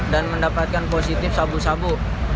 dan mendapatkan positif sabu sabu